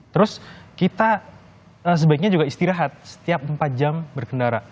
terus kita sebaiknya juga istirahat setiap empat jam berkendara